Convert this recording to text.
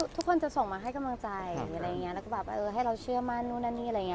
ทุกคนจะส่งมาให้กำลังใจให้เราเชื่อมั่นนู่นนี่อะไรอย่างนี้